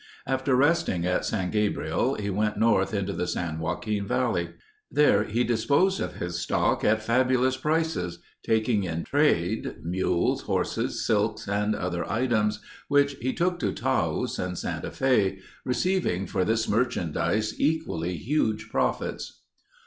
After resting at San Gabriel he went north into the San Joaquin Valley. There he disposed of his stock at fabulous prices, taking in trade mules, horses, silks, and other items which he took to Taos and Santa Fe, receiving for this merchandise equally huge profits.